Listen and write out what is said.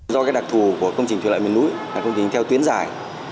do đặc thù của công trình thủy lợi miền núi là công trình theo tuyến dài